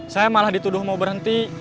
saya malah dituduh mau berhenti